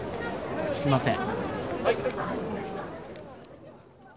すいません。